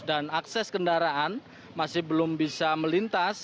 dan akses kendaraan masih belum bisa melintas